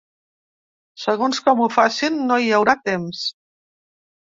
Segons com ho facin, no hi haurà temps.